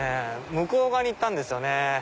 向こう側に行ったんですよね。